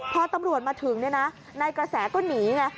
พอตำรวจมาถึงเนี่ยนะนายกระแสก็หนีไง